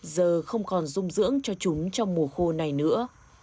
giờ không còn dung dưỡng cho chúng trong mùa khô này nữa